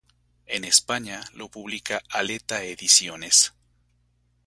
En España lo publica Aleta Ediciones.